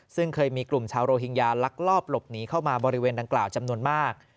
ซึ่งเคยมีกลุ่มชาวโรฮิงญาลักลอบหลบหนีเข้ามาบริเวณดังกล่าวจำนวนมาก